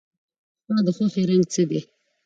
ستا د خوښې رنګ څه دی؟